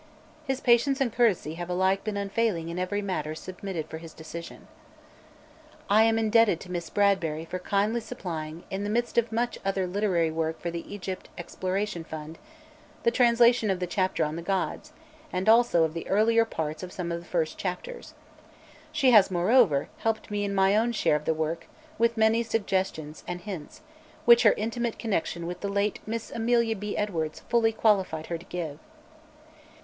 His patience and courtesy have alike been unfailing in every matter submitted for his decision. I am indebted to Miss Bradbury for kindly supplying, in the midst of much other literary work for the Egypt Exploration Fund, the translation of the chapter on the gods, and also of the earlier parts of some of the first chapters. She has, moreover, helped me in my own share of the work with many suggestions and hints, which her intimate connection with the late Miss Amelia B. Edwards fully qualified her to give.